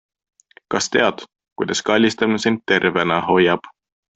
Kas tead, kuidas kallistamine sind tervena hoiab?